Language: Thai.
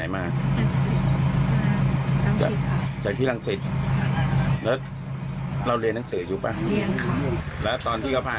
มีคนเพื่อนมีพี่